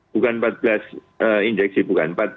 empat belas bukan empat belas injeksi bukan